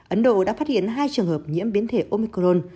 ấn độ đã phát hiện hai trường hợp nhiễm biến thể omicron